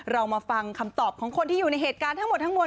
เรามาฟังคำตอบของคนที่อยู่ในเหตุการณ์ทั้งหมดทั้งมวล